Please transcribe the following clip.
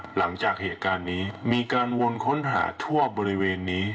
หลังจากเหตุการณ์นี้มีการวนค้นหาทั่วบริเวณนี้